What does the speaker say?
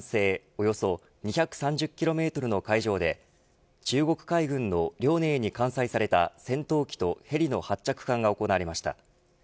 およそ２３０キロメートル海上で中国海軍の遼寧に艦載された戦闘機とヘリの発着艦が行われました。